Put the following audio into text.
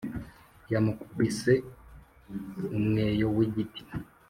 yamukubise umweyo wigiti